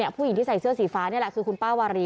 ผู้หญิงที่ใส่เสื้อสีฟ้านี่แหละคือคุณป้าวารี